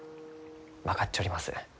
分かっちょります。